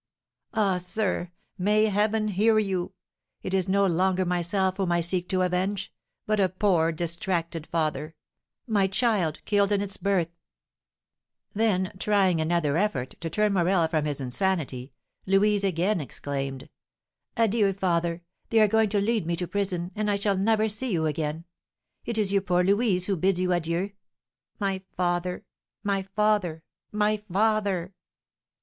"Ah, sir, may Heaven hear you! It is no longer myself whom I seek to avenge, but a poor, distracted father, my child killed in its birth " Then, trying another effort to turn Morel from his insanity, Louise again exclaimed: "Adieu, father! They are going to lead me to prison, and I shall never see you again. It is your poor Louise who bids you adieu. My father! my father! my father!"